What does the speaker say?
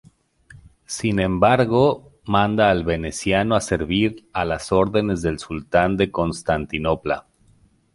Sin embargo manda al veneciano a servir a las órdenes del Sultán de Constantinopla.